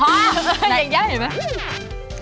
ยังยังเห็นไหม